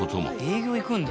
営業行くんだ。